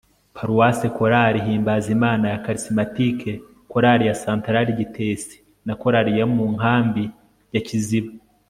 paruwasi, chorale himbazimana ya charismatique, chorale ya sentrali gitesi na chorale yo mu nkambi ya kiziba